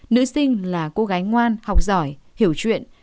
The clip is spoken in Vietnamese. nữ sinh là cô gái ngoan học giỏi hiểu chuyện